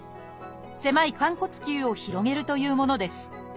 狭い寛骨臼を広げるというものです。